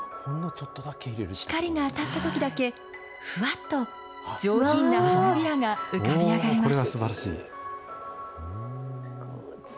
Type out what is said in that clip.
光が当たったときだけ、ふわっと上品な花びらが浮かび上がります。